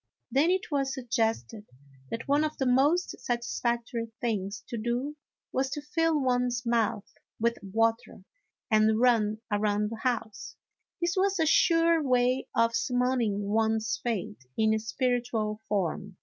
Then it was suggested that one of the most satis factory things to do was to fill one's mouth with water and run around the house ; this was a sure way of summoning one's fate in spiritual form.